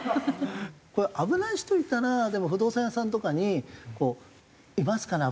これ危ない人いたらでも不動産屋さんとかにこう「いますかね？